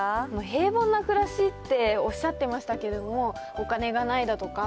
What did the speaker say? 平凡な暮らしっておっしゃってましたけど、お金がないだとか。